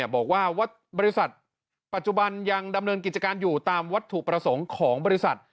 บอกว่าบริษัทปัจจุบันยังดำเนินกิจการอยู่ตามวัตถุประสงค์ของบริษัท